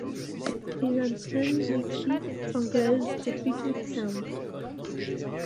Il entraine l'équipe anglaise de Fleetwood Town.